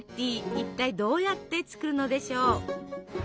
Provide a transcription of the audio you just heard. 一体どうやって作るのでしょう。